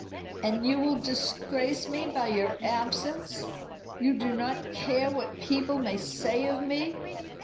"And you will disgrace me by your absence? You do not care what people may say of me."